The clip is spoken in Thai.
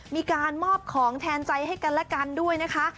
มีการมอบของแทนใจให้กันและกันด้วยนะคะ